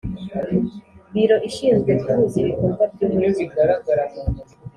Biro ishinzwe guhuza ibikorwa by’Umujyi